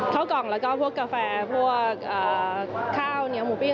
ข้าวกล่องแล้วก็พวกกาแฟพวกข้าวเหนียวหมูปิ้ง